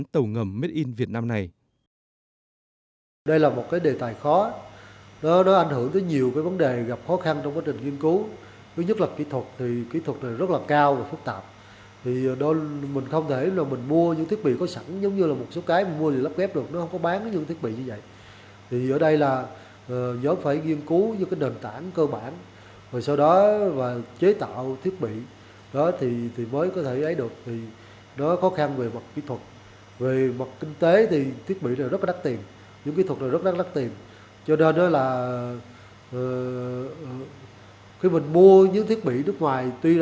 triển khai dự án tàu ngầm made in việt nam này